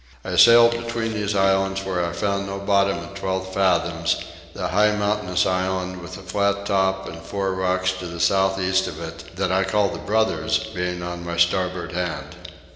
I sailed between these islands where I found no bottom at twelve fathoms; the high mountainous island with a flat top and four rocks to the south east of it, that I call the Brothers, being on my starboard hand.